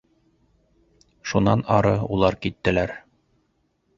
Шунан ары улар киттеләр.